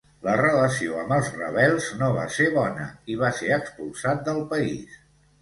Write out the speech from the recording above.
La relació amb els rebels no va ser bona i va ser expulsat del país.